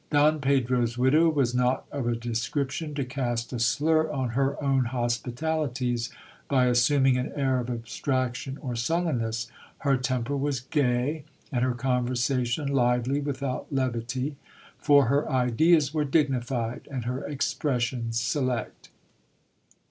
Don Pedro's widow was not of a description to cast a slur on her own hospitalities, by assuming an air of abstraction or sullenness. Her temper was gay, and her conversation lively without levity ; for her ideas were dignified, and her expressions select.